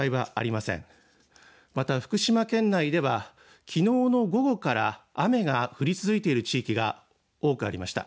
また福島県内ではきのうの午後から雨が降り続いている地域が多くありました。